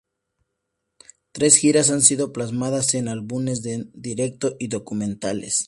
Tres giras han sido plasmadas en álbumes en directo y documentales.